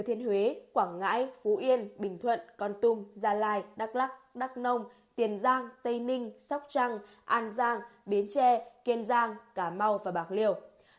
tp hcm quảng ngãi phú yên bình thuận con tùng gia lai đắk lắc đắk nông tiền giang tây ninh sóc trăng an giang biến tre kiên giang cà mau và bạc liều